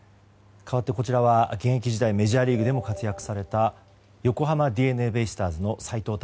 かわってこちらは現役時代メジャーリーグでも活躍された横浜ＤｅＮＡベイスターズの斎藤隆